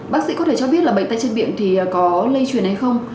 bác sĩ có thể cho biết là bệnh tay chân miệng thì có lây truyền hay không